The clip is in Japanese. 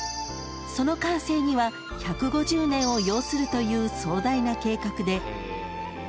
［その完成には１５０年を要するという壮大な計画で］